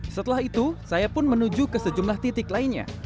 setelah itu saya pun menuju ke sejumlah titik lainnya